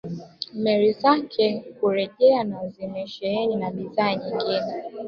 Meli zake kurejea na zimesheheni na bidhaa nyingine